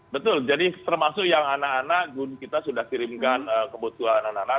betul jadi termasuk yang anak anak kita sudah kirimkan kebutuhan anak anak